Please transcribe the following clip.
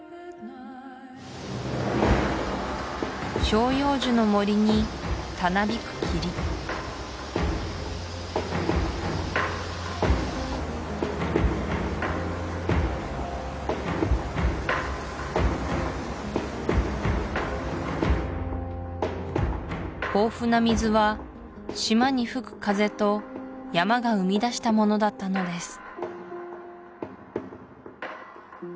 照葉樹の森にたなびく霧豊富な水は島に吹く風と山が生みだしたものだったのです